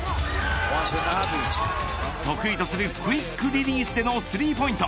得意とするクイックリリースでのスリーポイント。